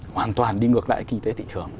hoàn toàn đi ngược lại kinh tế thị trường